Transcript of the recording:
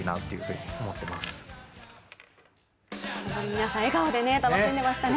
皆さん笑顔で楽しんでいましたね。